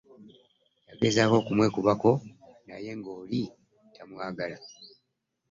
Yagezaako okumwekubako naye nga oli tamwagala.